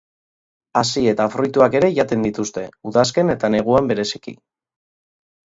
Hazi eta fruituak ere jaten dituzte, udazken eta neguan bereziki.